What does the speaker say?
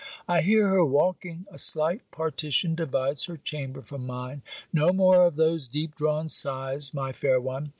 I hear her walking. A slight partition divides her chamber from mine. No more of those deep drawn sighs, my fair one!